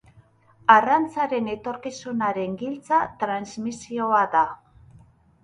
Arrantzaren etorkizunaren giltza transmisioa da.